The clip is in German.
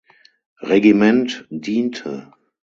Regiment diente.